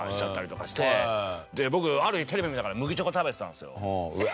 で僕ある日テレビ見ながら麦チョコ食べてたんですよ。